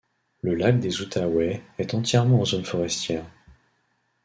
Le lac des Outaouais est entièrement en zone forestière.